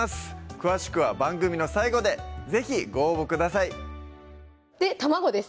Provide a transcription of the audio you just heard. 詳しくは番組の最後で是非ご応募くださいで卵です